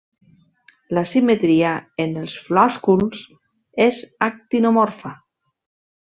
La simetria en els flòsculs és actinomorfa.